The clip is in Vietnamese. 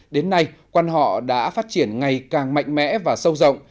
đến nay quan họ đã phát triển ngày càng mạnh mẽ và sâu rộng